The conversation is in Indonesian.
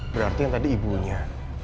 berarti yang tadi ibunya